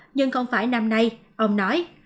nhưng không phải năm nay ông nói